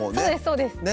そうです